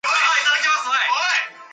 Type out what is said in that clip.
Professor of watercolour art.